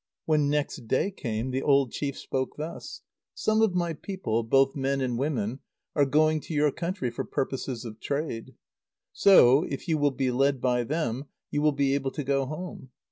When next day came, the old chief spoke thus: "Some of my people, both men and women, are going to your country for purposes of trade. So, if you will be led by them, you will be able to go home.